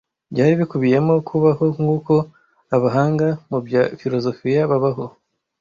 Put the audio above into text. byari bikubiyemo kubaho nkuko abahanga mu bya filozofiya babaho,